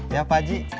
ya pak ji